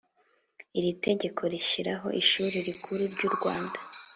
iri tegeko rishyiraho ishuri rikuru ry u rwanda